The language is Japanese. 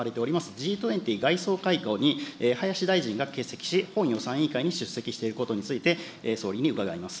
Ｇ２０外相会合に林大臣が欠席し、本予算委員会に出席していることについて、総理に伺います。